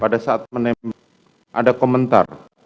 pada saat menembak ada komentar